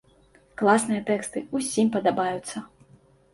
Класныя тэксты, усім падабаюцца!